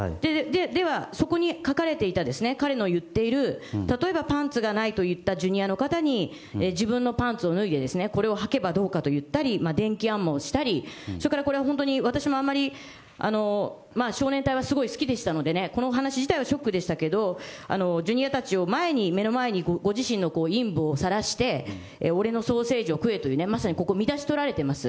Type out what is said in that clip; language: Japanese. では、そこに書かれていた彼の言っている例えばパンツがないと言ったジュニアの方に、自分のパンツを脱いで、これをはけばどうかと言ったり、電気あんまをしたり、それからこれは本当に私もあんまり、少年隊はすごい好きでしたのでね、このお話自体はショックでしたけど、ジュニアたちを前に、目の前に、ご自分の陰部をさらして、俺のソーセージを食えと、まさにここ、見出し取られてます。